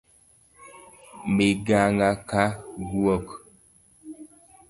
Miganga ka guok